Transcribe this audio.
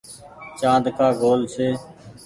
چآند گول ڪآ ڇي۔